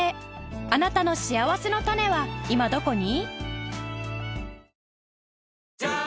あなたのしあわせのたねは今どこに？